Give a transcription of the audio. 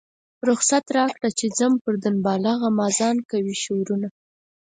رخصت راکړه چې ځم پر دنباله غمازان کوي شورونه.